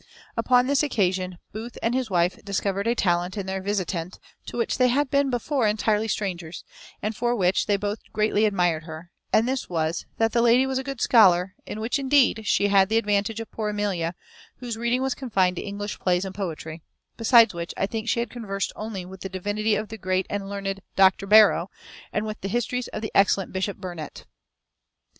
Upon this occasion Booth and his wife discovered a talent in their visitant to which they had been before entirely strangers, and for which they both greatly admired her, and this was, that the lady was a good scholar, in which, indeed, she had the advantage of poor Amelia, whose reading was confined to English plays and poetry; besides which, I think she had conversed only with the divinity of the great and learned Dr Barrow, and with the histories of the excellent Bishop Burnet.